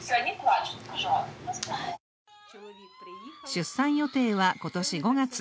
出産予定は今年５月。